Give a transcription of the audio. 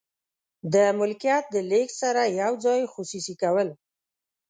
د ملکیت د لیږد سره یو ځای خصوصي کول.